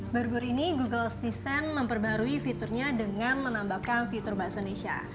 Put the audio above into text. baru baru ini google assistant memperbarui fiturnya dengan menambahkan fitur basonesha